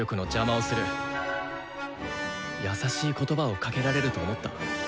優しい言葉をかけられると思った？